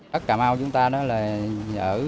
đất cà mau chúng ta là dùng đất